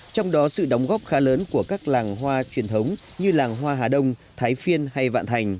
trong đó sự đóng góp khá lớn của các làng hoa truyền thống như làng hoa hà đông thái phiên hay vạn thành